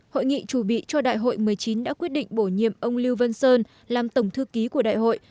hội nghị chủ bị cho đại hội một mươi chín đã quyết định bổ nhiệm ông lưu văn sơn làm tổng thư ký của đại hội